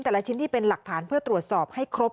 แต่ละชิ้นที่เป็นหลักฐานเพื่อตรวจสอบให้ครบ